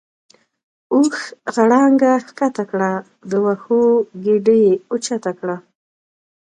اوښ غړانګه کښته کړه د وښو ګیډۍ یې اوچته کړه.